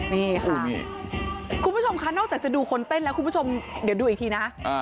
นี่ค่ะคุณผู้ชมค่ะนอกจากจะดูคนเต้นแล้วคุณผู้ชมเดี๋ยวดูอีกทีนะ